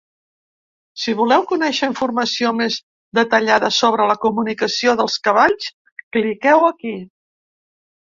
Si voleu conèixer informació més detallada sobre la comunicació dels cavalls cliqueu aquí.